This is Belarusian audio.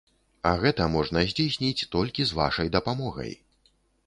А гэта можна здзейсніць толькі з вашай дапамогай!